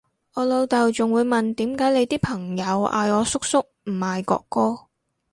我老豆仲會問點解你啲朋友嗌我叔叔唔嗌哥哥？